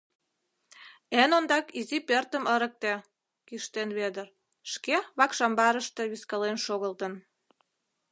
— Эн ондак изи пӧртым ырыкте, — кӱштен Вӧдыр, шке вакш амбарыште вискален шогылтын.